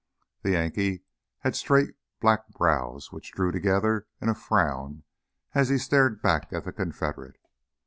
The Yankee had straight black brows which drew together in a frown as he stared back at the Confederate.